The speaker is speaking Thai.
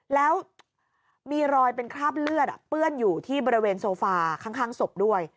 แล้วมีรอยเป็นคราบเลือดเปื้อนอยู่ที่บริเวณโซฟาข้างศพด้วย